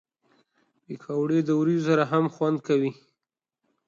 پکورې د وریجو سره هم خوند کوي